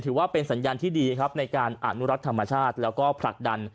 ถือว่าเป็นสัญญาณที่ดีครับในการอนุรักษ์ธรรมชาติแล้วก็ผลักดัน